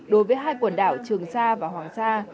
đối với hai quần đảo trường sa và hoàng sa